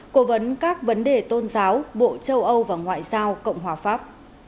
cố vấn các vấn đề tôn giáo bộ châu âu và ngoại giao cộng hòa pháp